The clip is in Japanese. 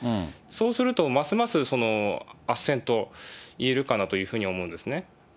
そうすると、ますますあっせんと言えるかなと思うんですね。